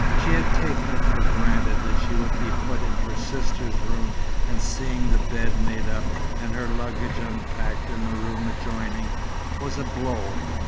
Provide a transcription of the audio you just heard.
She had taken it for granted that she would be put in her sister's room, and seeing the bed made up, and her luggage unpacked in the room adjoining, was a blow.